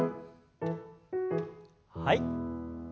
はい。